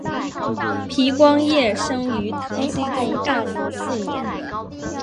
皮光业生于唐僖宗干符四年。